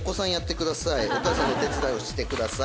「お母さんのお手伝いをしてください」